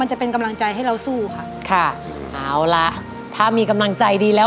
จะเป็นกำลังใจให้เราสู้ค่ะค่ะเอาล่ะถ้ามีกำลังใจดีแล้ว